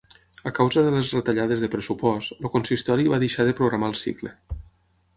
A causa de les retallades de pressupost, el consistori va deixar de programar el cicle.